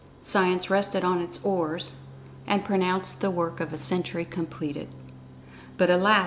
Science rested on its oars, and pronounced the work of a century completed. But alas!